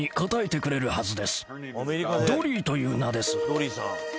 ドリーさん。